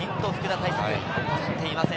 怠っていません。